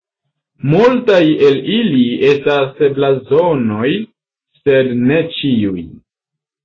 Multaj el ili estas blazonoj, sed ne ĉiuj.